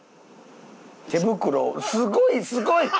手袋すごいすごい！